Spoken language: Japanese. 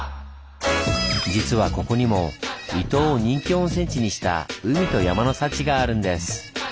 実はここにも伊東を人気温泉地にした「海と山の幸」があるんです。